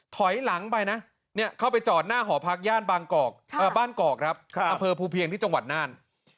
ถอยหลังไปนะเข้าไปจอดหน้าหอพักย่านบางกอกบ้านกอกครับอำเภอภูเพียงที่จังหวัดน่าน